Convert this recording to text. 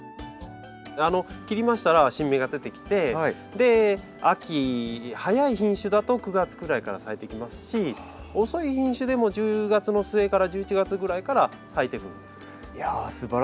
切りましたら新芽が出てきて秋早い品種だと９月ぐらいから咲いてきますし遅い品種でも１０月の末から１１月ぐらいから咲いてくるんです。